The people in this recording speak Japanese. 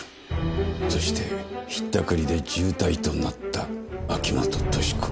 そしてひったくりで重体となった秋本敏子。